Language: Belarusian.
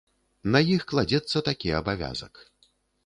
На іх кладзецца такі абавязак.